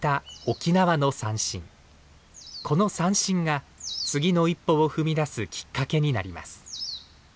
この三線が次の一歩を踏み出すきっかけになります。